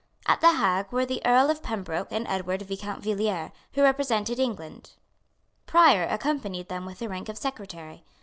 At the Hague were the Earl of Pembroke and Edward, Viscount Villiers, who represented England. Prior accompanied them with the rank of Secretary.